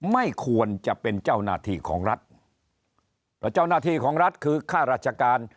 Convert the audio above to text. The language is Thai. ไม่ควรจะเป็นเจ้าหน้าที่ของรัฐแล้วเจ้าหน้าที่ของรัฐคือค่าราชการ